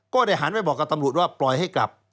ได้หันไปบอกกับตำรวจว่าปล่อยให้กลับ